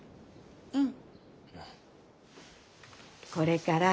うん。